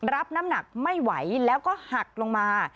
รับน้ำหนักไม่ไหวแล้วก็หักลงมา